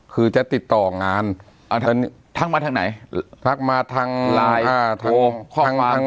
คือจะติดต่องานทักมาทางไหนทักมาทางไลน์โทรข้อความ